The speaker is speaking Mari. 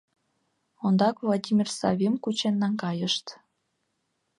Ондак Владимир Савим кучен наҥгайышт.